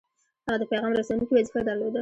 هغه د پیغام رسوونکي وظیفه درلوده.